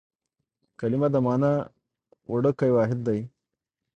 کلیمه د مانا وړوکی واحد دئ.